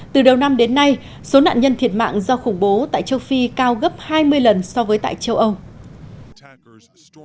từ đầu năm đến nay số nạn nhân thiệt mạng do khủng bố tại châu phi cao gấp hai mươi lần so với tại châu âu